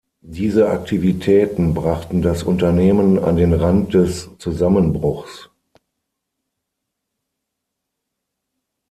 Diese Aktivitäten brachten das Unternehmen an den Rand des Zusammenbruchs.